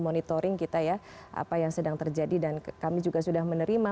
monitoring kita ya apa yang sedang terjadi dan kami juga sudah menerima